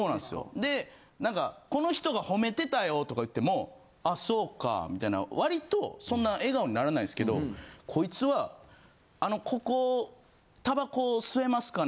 でなんか「この人がほめてたよ」とか言っても「あっそうか」みたいな。わりとそんな笑顔にならないんすけどこいつは「あのここタバコ吸えますかね？